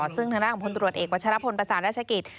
ซึ่งทางด้านของพลตรวจเอกวัชรพลประสานราชกิจ